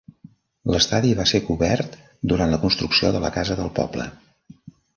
L'estadi va ser cobert durant la construcció de la Casa del Poble.